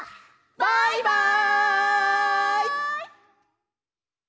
バイバイ！